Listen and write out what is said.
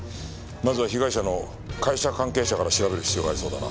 まずは被害者の会社関係者から調べる必要がありそうだな。